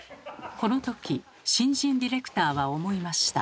この時新人ディレクターは思いました。